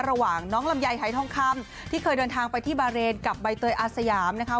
ระหว่างน้องลำไยหายทองคำที่เคยเดินทางไปที่บาเรนกับใบเตยอาสยามนะคะ